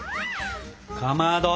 かまど！